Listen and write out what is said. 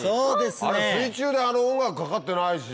水中であの音楽かかってないし。